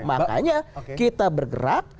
makanya kita bergerak